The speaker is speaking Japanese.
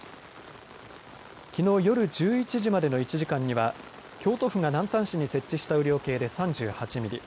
きのう夜１１時までの１時間には京都府が南丹市に設置した雨量計で３８ミリ